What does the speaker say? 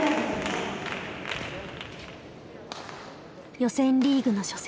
予選リーグの初戦。